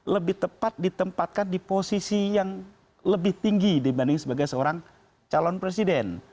lebih tepat ditempatkan di posisi yang lebih tinggi dibanding sebagai seorang calon presiden